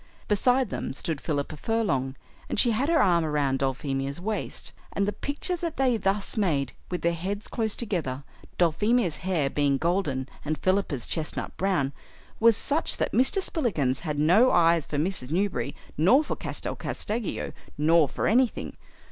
Beside them stood Philippa Furlong, and she had her arm around Dulphemia's waist; and the picture that they thus made, with their heads close together, Dulphemia's hair being golden and Philippa's chestnut brown, was such that Mr. Spillikins had no eyes for Mrs. Newberry nor for Castel Casteggio nor for anything.